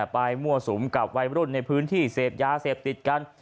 มั่วสุมกับวัยรุ่นในพื้นที่เสพยาเสพติดกัน